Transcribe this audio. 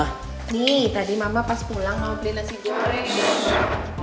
ini tadi mama pas pulang mau beli nasi goreng